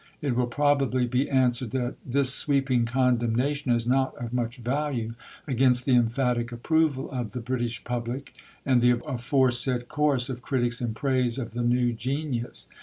It will probably be answered that this sweeping condemnation is not of much value against the emphatic approval of the British public and the aforesaid chorus of critics in praise of the new Genius....